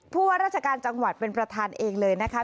ว่าราชการจังหวัดเป็นประธานเองเลยนะคะ